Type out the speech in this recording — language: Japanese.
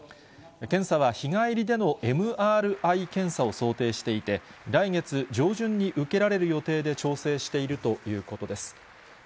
検査は日帰りでのＭＲＩ検査を想定していて、来月上旬に受けられる予定で調整しているということです。